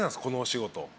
このお仕事。